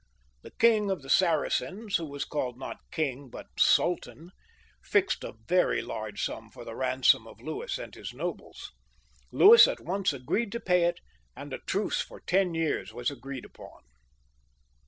The King of the Saracens, who was called not king, but Sultan, fixed a very large sum for the ransom of Louis and his nobles. Louis at once agreed to pay it, and a truce for ten years was agreed upon.